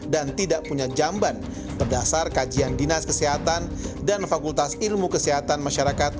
dan tidak punya jamban berdasar kajian dinas kesehatan dan fakultas ilmu kesehatan masyarakat